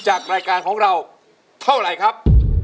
จากรายการของเราเท่าไหร่ครับ